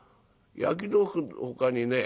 焼き豆腐のほかにね